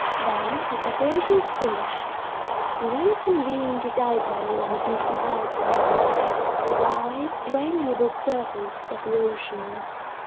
Then, his operations finished, he went and leaned his elbows on the beacon housing, his eyes straying over the surface of the ocean.